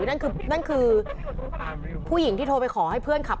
นั่นคือนั่นคือผู้หญิงที่โทรไปขอให้เพื่อนขับ